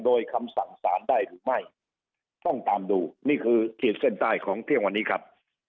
โดยคำสั่งสารได้หรือไม่ต้องตามดูนี่คือขีดเส้นใต้ของเที่ยงวันนี้ครับ